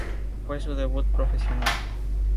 Fue su debut profesional.